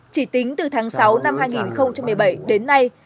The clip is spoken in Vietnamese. chỉ tính từ tháng sáu năm hai nghìn một mươi bảy đến nay